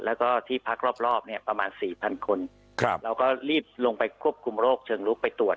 แล้วก็ที่พักรอบเนี่ยประมาณสี่พันคนครับเราก็รีบลงไปควบคุมโรคเชิงลุกไปตรวจ